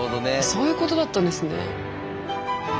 そういうことだったんですね。